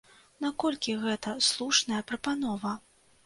Наколькі гэта слушная прапанова?